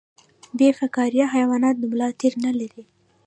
بې فقاریه حیوانات د ملا تیر نلري